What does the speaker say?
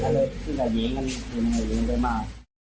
เลยฆ่าเลสนาเหยงกันเกินไปมาก